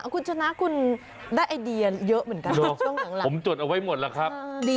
คุณชนะคุณทำความเสียใจที่มีเอาไว้เยอะประมาณนี้